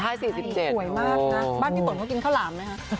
ไปหบ้านพี่ฝนเข้ากินข้าวหล่ามไหมฮะ